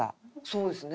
そうですね。